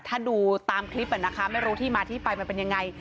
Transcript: ถ้าดูตามคลิปนะคะไม่รู้ที่มาที่ไปมันเป็นยังไง